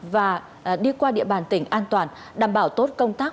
và đi qua địa bàn tỉnh an toàn đảm bảo tốt công tác